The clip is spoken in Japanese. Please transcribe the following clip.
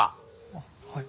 あっはい。